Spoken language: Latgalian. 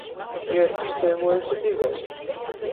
Jei ir pīdzeivovuse divejus.